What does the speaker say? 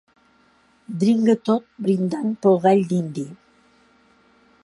Dringa tot brindant pel gall dindi.